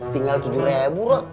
tinggal tujuh ribu rot